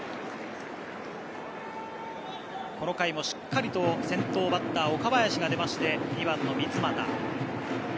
この回もしっかりと先頭バッターの岡林が出て、２番の三ツ俣。